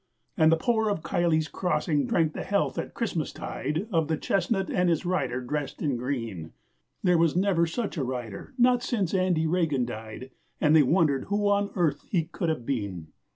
And the poor of Kiley's Crossing drank the health at Christmastide Of the chestnut and his rider dressed in green. There was never such a rider, not since Andy Regan died, And they wondered who on earth he could have been.